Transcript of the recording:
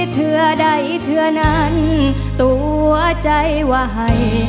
เธอใดเธอนั้นตัวใจว่าให้